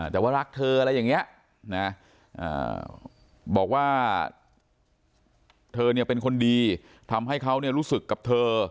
แต่ว่ารักเธออะไรอย่างนี้นะบอกว่าเธอเป็นคนดีทำให้เขารู้สึกกับเธอ